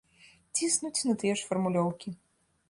Ціснуць на тыя ж фармулёўкі.